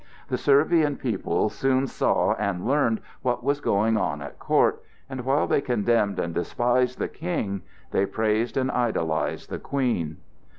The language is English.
The Servian people soon saw and learned what was going on at court, and while they condemned and despised the King, they praised and idolized the Queen.